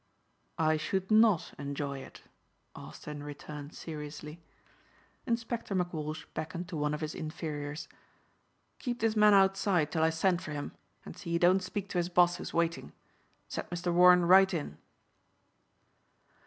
"I should not enjoy it," Austin returned seriously. Inspector McWalsh beckoned to one of his inferiors. "Keep this man outside till I send for him and see he don't speak to his boss who's waiting. Send Mr. Warren right in."